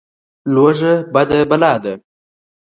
لوږه بده بلا ده.